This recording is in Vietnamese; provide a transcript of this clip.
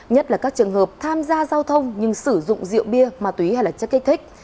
nhất là các trường hợp tham gia giao thông nhưng sử dụng rượu bia ma túy hay là chất kích thích